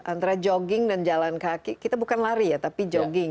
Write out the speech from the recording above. antara jogging dan jalan kaki kita bukan lari ya tapi jogging